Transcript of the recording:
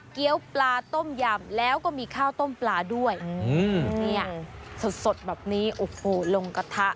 ปลาต้มยำแล้วก็มีข้าวต้มปลาด้วยเนี่ยสดสดแบบนี้โอ้โหลงกระทะ